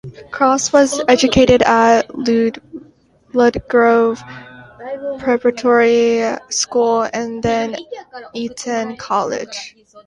Cross was educated at Ludgrove Preparatory School and then Eton College.